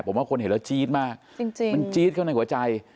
ผมว่าคนเห็นแล้วจี๊ดมากจริงมันจี๊ดเข้าในหัวใจ